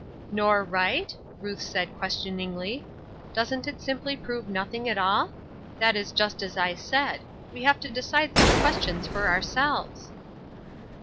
"Nor right?" Ruth said, questioningly. "Doesn't it simply prove nothing at all? That is just as I said; we have to decide these questions for ourselves."